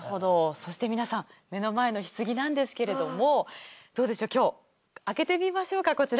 そして皆さん目の前の棺なんですけれどもどうでしょう今日開けてみましょうかこちら。